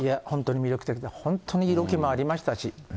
本当に魅力的で、本当に色気もありましたし。